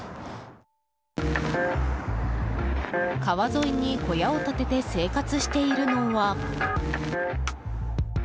川沿いに小屋を建てて生活しているのは。